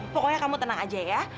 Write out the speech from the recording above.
pokoknya kamu tenang aja ya